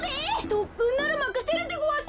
とっくんならまかせるでごわす！